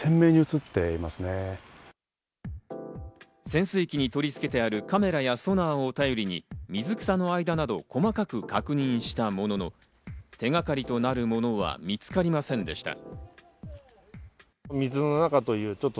潜水機に取り付けてあるカメラやソナーを頼りに水草の間など細かく確認したものの、手掛かりとなるものは見つかりませんでした。